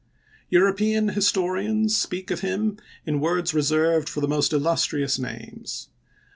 European historians speak of him in words reserved for the most illustrious names.